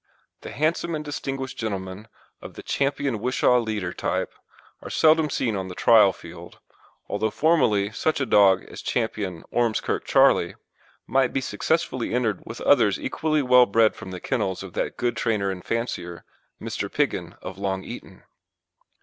The handsome and distinguished gentlemen of the Ch. Wishaw Leader type are seldom seen on the trial field, although formerly such a dog as Ch. Ormskirk Charlie might be successfully entered with others equally well bred from the kennels of that good trainer and fancier, Mr. Piggin, of Long Eaton.